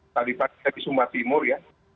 tadi pas saya di sumba timur ya